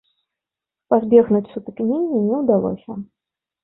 Пазбегнуць сутыкнення не ўдалося.